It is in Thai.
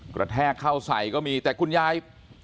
แทกเข้าใส่ก็มีแต่คุณยาย